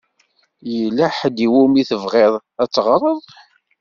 Yella ḥedd i wumi tebɣiḍ ad teɣṛeḍ?